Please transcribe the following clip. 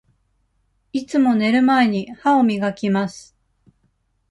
いつも寝る前に、歯を磨きます。